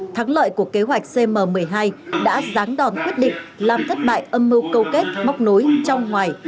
thắng lợi của kế hoạch cm một mươi hai đã ráng đòn quyết định làm thất bại âm mưu câu kết móc nối trong ngoài